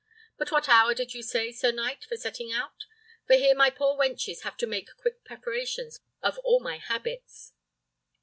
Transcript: But what hour did you say, sir knight, for setting out? for here my poor wenches have to make quick preparations of all my habits."